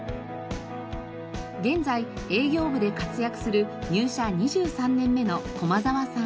現在営業部で活躍する入社２３年目の駒沢さん。